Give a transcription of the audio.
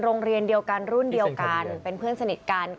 โรงเรียนเดียวกันรุ่นเดียวกันเป็นเพื่อนสนิทกัน